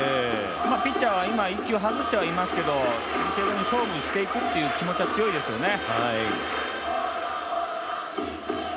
ピッチャーは今、１球外してはいますけどビシエドに勝負していくっていう気持ちは強いですよね。